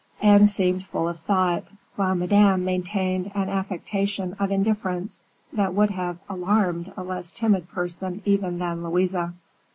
Anne seemed full of thought, while Madame maintained an affectation of indifference that would have alarmed a less timid person even than Louise.